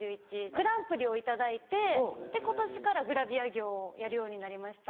グランプリを頂いて今年からグラビア業をやるようになりました。